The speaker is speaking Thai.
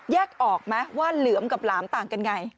ออกไหมว่าเหลือมกับหลามต่างกันไง